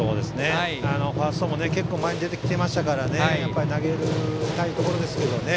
ファーストも結構前に出てきていましたから投げたいところでしたがね。